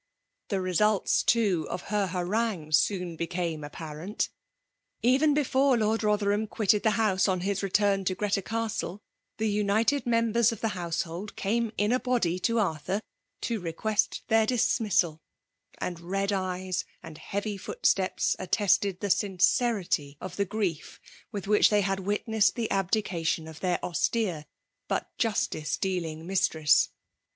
The results, too, of her harangue soon be came apparent. Even before Lord Rother ham quitted the house, on his return to Greta *Ca8tle> the united members of the household came in a body to Arthur to request their dis missal; and red eyes and heavy footsteps attested the sincerity of the grief \nih which they had witnessed the abdication of their austere but justice dealing mistress.